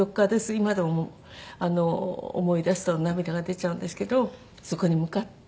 今でもあの思い出すと涙が出ちゃうんですけどそこに向かって。